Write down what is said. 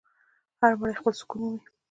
هر مړی خپل سکون مومي.